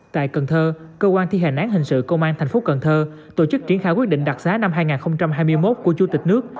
tại cần thơ cơ quan thi hành án hình sự công an thành phố cần thơ tổ chức triển khai quyết định đặc xá năm hai nghìn hai mươi một của chủ tịch nước